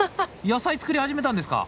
野菜作り始めたんですか！